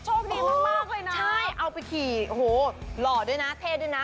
โชคดีมากเลยนะใช่เอาไปขี่โอ้โหหล่อด้วยนะเท่ด้วยนะ